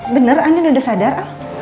bener andin udah sadar